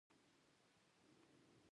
په سیاسي او اقتصادي برخو کې مهم رول ولوبوي.